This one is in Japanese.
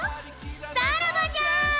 さらばじゃ！